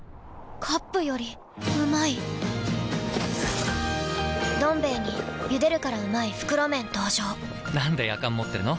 カップよりうまい「どん兵衛」に「ゆでるからうまい！袋麺」登場なんでやかん持ってるの？